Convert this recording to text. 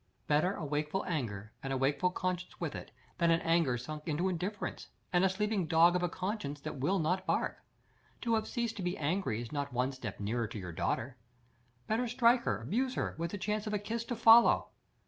"Better a wakeful anger, and a wakeful conscience with it, than an anger sunk into indifference, and a sleeping dog of a conscience that will not bark. To have ceased to be angry is not one step nearer to your daughter. Better strike her, abuse her, with the chance of a kiss to follow.